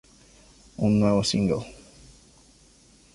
Un nuevo single.